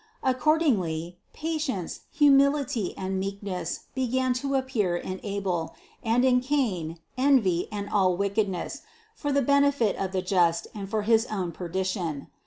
Accordingly, patience, hu mility and meekness began to appear in Abel, and in Cain, envy and all wickedness, for the benefit of the just and for his own perdition.